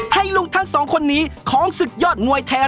ให้ลุงทั้งสองคนนี้ของสึกยอดงวยไทยรัติ